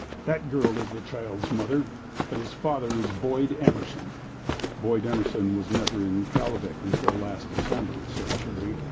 "That girl is the child's mother, but its father is Boyd Emerson!" "Boyd Emerson was never in Kalvik until last December," said Cherry.